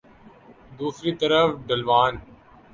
دوسری طرف ڈھلوان